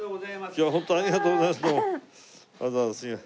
今日はホントありがとうございます。